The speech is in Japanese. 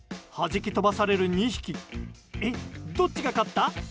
弾き飛ばされる２匹。え、どっちが勝った？